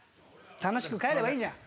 楽しく帰ればいいじゃん。